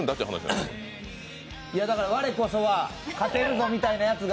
いやだから、我こそは勝てるぞみたいなやつが。